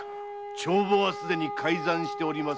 帳簿はすでに改ざんしております